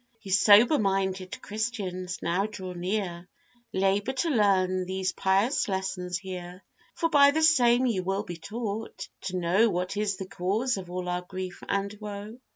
] YOU sober minded christians now draw near, Labour to learn these pious lessons here; For by the same you will be taught to know What is the cause of all our grief and woe.